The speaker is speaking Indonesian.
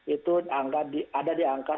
itu ada di angka satu enam